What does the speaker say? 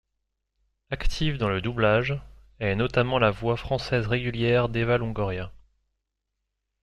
Active dans le doublage, elle est notamment la voix française régulière d'Eva Longoria.